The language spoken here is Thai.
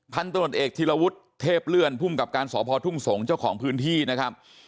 พันตรวจเอกธิรวุฒิเทพเลื่อนภูมิกับการสพทุ่งสงศ์เจ้าของพื้นที่นะครับ